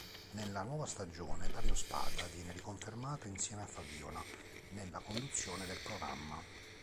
Nella nuova stagione Dario Spada viene riconfermato insieme a Fabiola nella conduzione del programma.